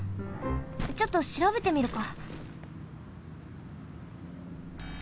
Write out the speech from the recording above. ちょっとしらべてみるか。